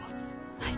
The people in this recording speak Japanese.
はい。